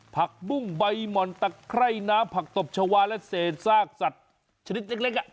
ผักบุ้งใบหม่อนตะไคร่น้ำผักตบชาวาและเศษซากสัตว์ชนิดเล็ก